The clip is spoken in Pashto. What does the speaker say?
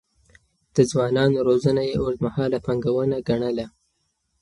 د ځوانانو روزنه يې اوږدمهاله پانګونه ګڼله.